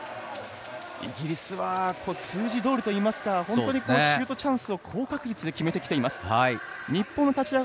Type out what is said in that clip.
イギリスは数字どおりといいますか本当にシュートチャンスを高確率で決めてきています。